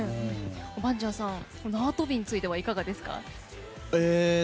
バンチャンさん縄跳びについてはいかがですか？